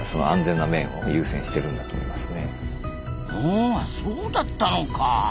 あそうだったのかあ。